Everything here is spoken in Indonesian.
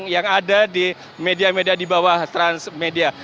yang ada di media media di bawah transmedia